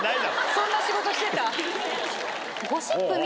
そんな仕事してた？